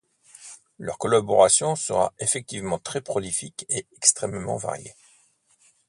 Leur collaboration sera effectivement très prolifique et extrêmement variée.